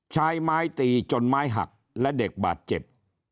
ใช้ไม้ตีจนไม้หักและเด็กบาดเจ็บ